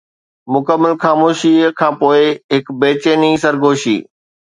مڪمل خاموشيءَ کانپوءِ هڪ بيچيني سرگوشي